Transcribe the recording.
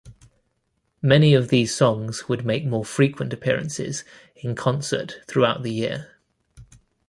Many of these songs would make more frequent appearances in concert throughout the year.